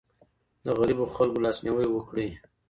د غریبو خلګو لاسنیوی وکړئ.